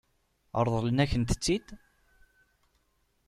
Ṛeḍlen-akent-t-id?